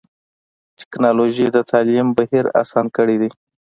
ټکنالوجي د تعلیم بهیر اسان کړی دی.